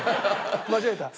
間違えた。